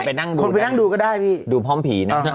ไปนั่งดูคนไปนั่งดูก็ได้พี่ดูพร้อมผีเนอะ